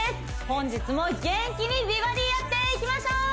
本日も元気に美バディやっていきましょう！